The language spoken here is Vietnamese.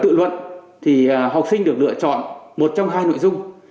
tự luận thì học sinh được lựa chọn một trong hai nội dung